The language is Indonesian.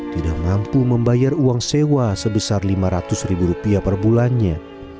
tidak mampu membayar uang sewa sebesar lima ratus ribu rupiah per bulannya